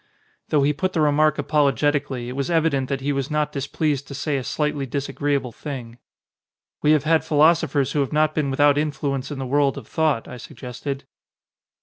Though he put the remark apologetically it was evident that he was not displeased to say a slightly disagreeable thing. "We have had philosophers who have not been without influence in the world of thought," I sug gested.